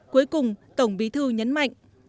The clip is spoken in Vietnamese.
cuối cùng tổng bí thư nhấn mạnh